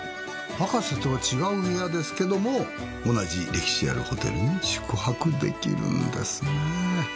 博士とは違う部屋ですけども同じ歴史あるホテルに宿泊できるんですね。